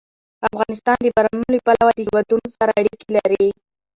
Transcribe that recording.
افغانستان د بارانونو له پلوه له هېوادونو سره اړیکې لري.